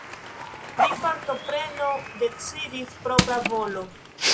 Pri partopreno decidis propra volo.